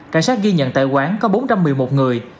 cảnh sát ghi nhận tại quán có bốn trăm một mươi một người